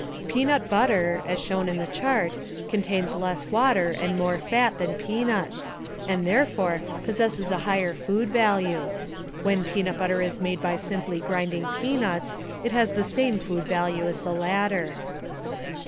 Peanut butter, as shown in the chart, contains less water and more fat than peanuts and, therefore, possesses a higher food value. When peanut butter is made by simply grinding peanuts it has the same food value as the latter.